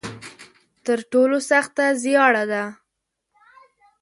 تر ټولو سخته زیاړه ده.